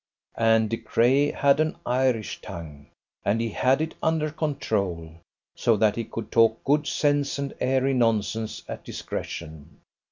And De Craye had an Irish tongue; and he had it under control, so that he could talk good sense and airy nonsense at discretion.